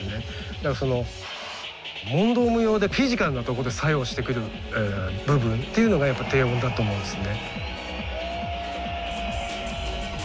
だからその問答無用でフィジカルなとこで作用してくる部分っていうのがやっぱ低音だと思うんですね。